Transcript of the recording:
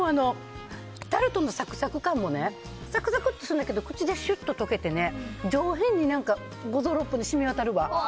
タルトのサクサク感もサクサクってするんだけど口でシュッと溶けて、上品に五臓六腑に染みわたるわ。